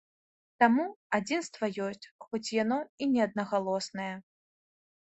Таму, адзінства ёсць, хоць яно і не аднагалоснае.